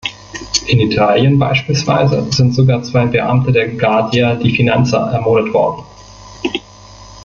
In Italien beispielsweise sind sogar zwei Beamten der Guardia di Finanza ermordet worden.